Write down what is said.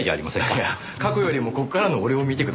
いや過去よりもここからの俺を見てくださいよ。